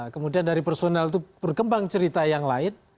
kemudian dari personal itu berkembang cerita yang lain